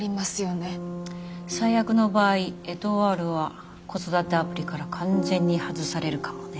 最悪の場合エトワールは子育てアプリから完全に外されるかもね。